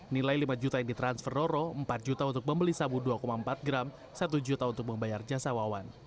nilai lima juta yang ditransfer roro empat juta untuk membeli sabu dua empat gram satu juta untuk membayar jasa wawan